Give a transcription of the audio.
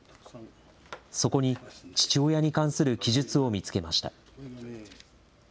そこに父親に関する記述を見つけました。